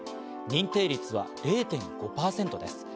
認定率は０．５％です。